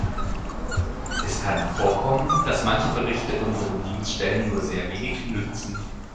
Es kann vorkommen, dass manche Berichte unseren Dienststellen nur sehr wenig nützen.